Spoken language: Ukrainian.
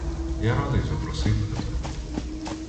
Я радий запросити тебе.